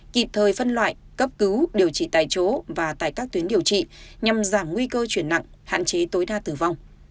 kịp thời phân loại cấp cứu điều trị tại chỗ và tại các tuyến điều trị nhằm giảm nguy cơ chuyển nặng hạn chế tối đa tử vong